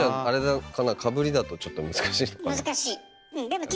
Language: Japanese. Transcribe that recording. あれかなかぶりだとちょっと難しいのかな。